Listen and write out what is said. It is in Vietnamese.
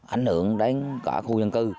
ảnh hưởng đến cả khu dân cư